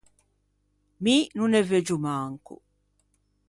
Mi no ne veuggio manco.